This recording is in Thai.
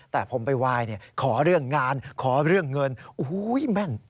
แต่ผมไปไหว้ขอเรื่องงานขอเรื่องเงินโอ้โหแม่น